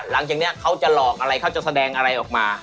หลังจากนี้เขาจะหลอกอะไรเขาจะแสดงอะไรออกมา